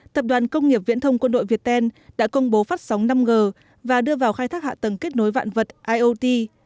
tập đoàn công nghiệp viễn thông quân đội việt tên đã công bố phát sóng năm g và đưa vào khai thác hạ tầng kết nối vạn vật iot